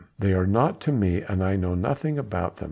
They are naught to me and I know nothing about them.